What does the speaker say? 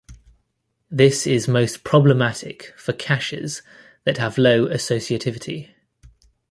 This is most problematic for caches that have low associativity.